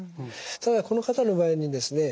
ただこの方の場合にですね